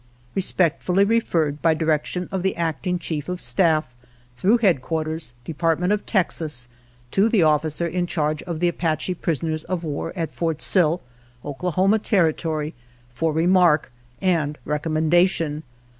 Respectfully referred, by direction of the Acting Chief of Staff, through headquarters, Department of xv INTRODUCTORY Texas, to the Officer In Charge of the Apache pris oners of war at Fort Sill, Oklahoma Territory, for remark and recommendation.